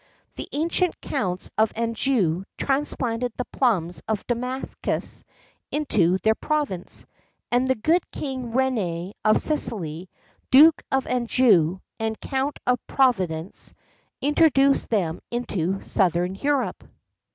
The ancient Counts of Anjou transplanted the plums of Damascus into their province; and the good King René of Sicily, Duke of Anjou and Count of Provence, introduced them into southern Europe.